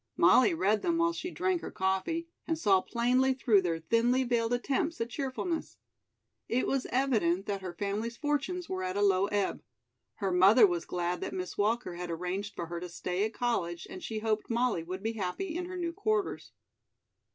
Molly read them while she drank her coffee, and saw plainly through their thinly veiled attempts at cheerfulness. It was evident that her family's fortunes were at a low ebb. Her mother was glad that Miss Walker had arranged for her to stay at college and she hoped Molly would be happy in her new quarters.